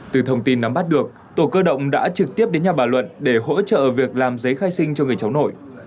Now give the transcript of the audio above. từ thông tin nắm bắt được tổ cơ động đã trực tiếp đến nhà bà luận để hỗ trợ việc làm giấy khai sinh cho người cháu nội